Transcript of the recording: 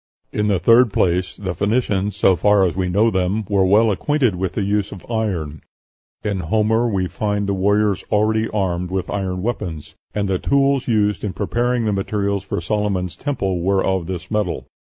"In the third place, the Phoenicians, so far as we know them, were well acquainted with the use of iron; in Homer we find the warriors already armed with iron weapons, and the tools used in preparing the materials for Solomon's Temple were of this metal."